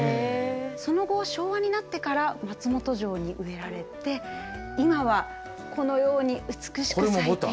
その後昭和になってから松本城に植えられて今はこのように美しく咲いている。